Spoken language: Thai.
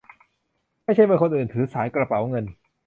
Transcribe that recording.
ไม่ใช่เมื่อคนอื่นถือสายกระเป๋าเงิน